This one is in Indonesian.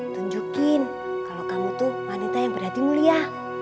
tunjukin kalau kamu tuh wanita yang berhati mulia